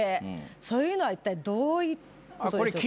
そういうのはいったいどういうことでしょうか？